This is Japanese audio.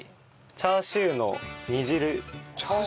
チャーシューの煮汁？